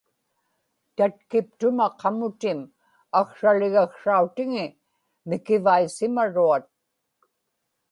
tatkiktuma qamutim aksraligaksrautiŋi mikivaisimaruat